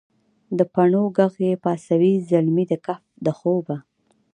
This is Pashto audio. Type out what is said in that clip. دپڼو ږغ یې پاڅوي زلمي د کهف دخوبه